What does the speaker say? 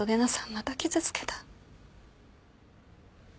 また傷つけた。